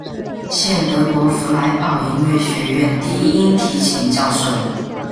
现德国弗莱堡音乐学院低音提琴教授。